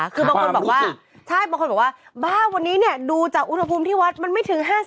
คือบางคนบอกว่าบ้าววันนี้เนี่ยดูจากอุณหภูมิที่วัดมันไม่ถึง๕๐